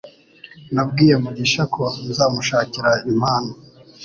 Nabwiye mugisha ko nzamushakira impano